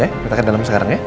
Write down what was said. ya kita ke dalem sekarang ya